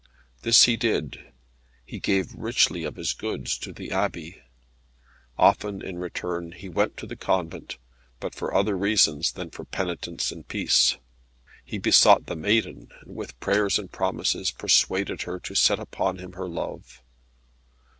This he did. He gave richly of his goods to the Abbey. Often, in return, he went to the convent, but for other reasons than for penitence and peace. He besought the maiden, and with prayers and promises, persuaded her to set upon him her love.